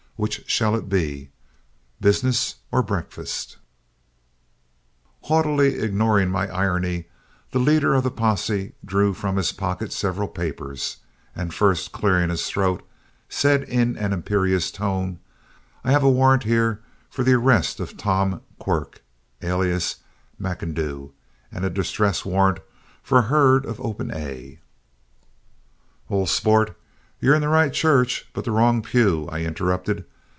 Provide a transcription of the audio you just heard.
Which shall it be, business or breakfast?" Haughtily ignoring my irony, the leader of the posse drew from his pocket several papers, and first clearing his throat, said in an imperious tone, "I have a warrant here for the arrest of Tom Quirk, alias McIndoo, and a distress warrant for a herd of 'Open A' " "Old sport, you're in the right church, but the wrong pew," I interrupted.